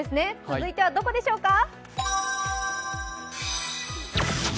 続いてはどこでしょうか？